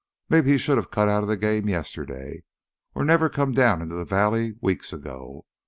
Maybe he should have cut out of the game yesterday.... Or never come down into the valley weeks ago